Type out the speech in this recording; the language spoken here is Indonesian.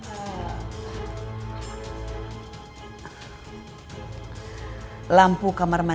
aku mau ke sana